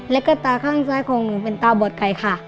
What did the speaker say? แล้วก็ตาข้างซ้ายของหนูเป็นตาบอดไก่ค่ะ